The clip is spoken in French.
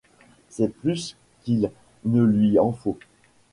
C’est plus qu’il ne lui en faut.